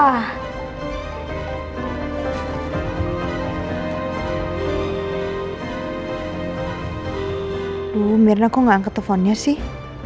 aduh mirna kok gak angkat telfonnya sih